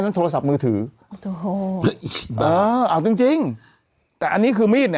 โทรศัพท์มือถือโอ้โหเออเอาจริงจริงแต่อันนี้คือมีดเนี่ย